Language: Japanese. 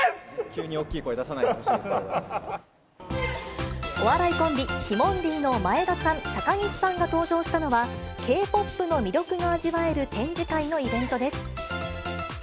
急に大きい声出さないでほしお笑いコンビ、ティモンディの前田さん、高岸さんが登場したのは、Ｋ−ＰＯＰの魅力が味わえる展示会のイベントです。